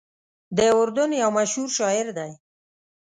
د اردن یو مشهور شاعر دی.